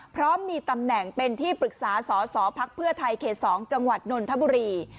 พร้อมมีตำแหน่งเป็นที่ปรึกษาสศพไทยข๒จนนทบุรี